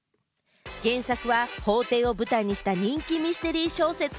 原作は法廷を舞台にした人気ミステリー小説。